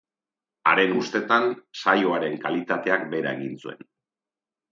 Haren ustetan, saioaren kalitateak behera egin zuen.